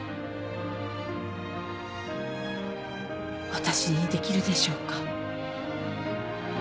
私にできるでしょうか？